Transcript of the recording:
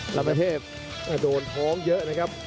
ลำเทพโดนท้องเยอะนะครับ